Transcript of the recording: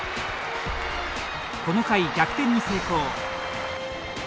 この回、逆転に成功。